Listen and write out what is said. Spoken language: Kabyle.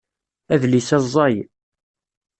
Adlis-a ẓẓay.